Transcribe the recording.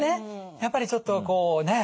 やっぱりちょっとこうね